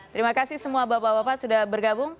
terima kasih semua bapak bapak sudah bergabung